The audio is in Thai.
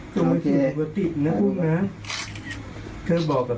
ขอรู้ใจ